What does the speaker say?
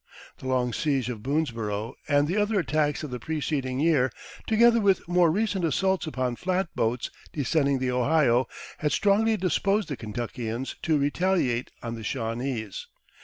The long siege of Boonesborough and the other attacks of the preceding year, together with more recent assaults upon flatboats descending the Ohio, had strongly disposed the Kentuckians to retaliate on the Shawnese.